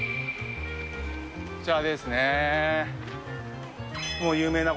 こちらですね。